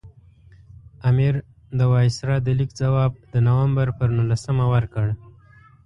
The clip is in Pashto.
امیر د وایسرا د لیک ځواب د نومبر پر نولسمه ورکړ.